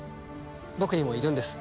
僕にもいるんです